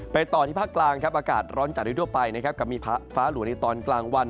ต่อที่ภาคกลางครับอากาศร้อนจัดโดยทั่วไปนะครับกับมีฟ้าหลัวในตอนกลางวัน